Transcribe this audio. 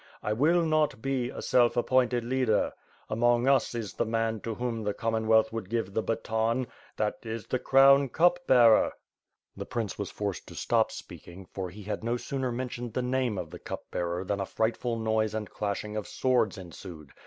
I will not be a self appointed leader. Among us is the man to whom the Commonwealth would give the baton — ^that is the Crown Cup Bearer. .\." WITH FIRE AND HWOKD. ^ig The prince was forced to stop speakings for he had no sooner mentioned the name of the Cup Bearer than a fright ful noise and clashing of swords ensued.